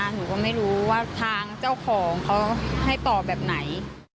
หนูก็ไม่รู้ว่าทางเจ้าของเขาให้ตอบแบบไหน